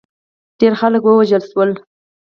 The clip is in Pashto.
ډېر خلک ووژل شول.